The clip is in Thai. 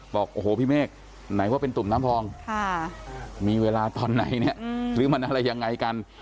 บอกโอ้โหพี่เมฆไหนว่าเป็นตุ่มน้ำพองมีเวลาตอนไหนเนี่ยหรือมันอะไรยังไงกัน